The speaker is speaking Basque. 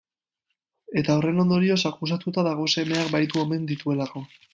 Eta horren ondorioz akusatuta dago semeak bahitu omen dituelako.